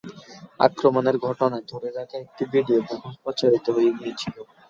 আক্রমণের ঘটনা ধরে রাখা একটি ভিডিও বহুল প্রচারিত হয়ে গিয়েছিল।